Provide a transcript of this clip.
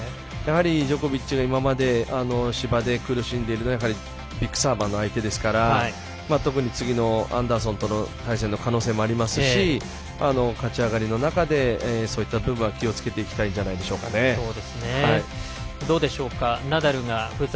ジョコビッチが今まで芝で苦しんでいるのはビッグサーバーの相手ですから特に次のアンダーソンとの対戦の可能性もありますし勝ち上がりの中でそういった部分は気をつけてナダルが不在。